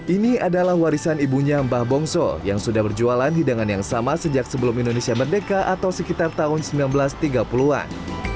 ini adalah warisan ibunya mbah bongso yang sudah berjualan hidangan yang sama sejak sebelum indonesia merdeka atau sekitar tahun seribu sembilan ratus tiga puluh an